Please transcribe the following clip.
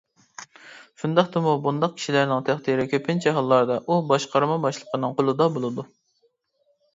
شۇنداقتىمۇ، بۇنداق كىشىلەرنىڭ تەقدىرى كۆپىنچە ھاللاردا ئۇ باشقارما باشلىقىنىڭ قولىدا بولىدۇ.